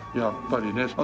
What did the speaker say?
あっやっぱりね。